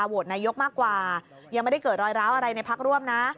โหวตนายกมากกว่ายังไม่ได้เกิดรอยร้าวอะไรในพักร่วมนะ